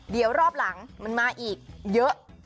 เดี๋ยวรอบหลังมันมาอีกเยอะ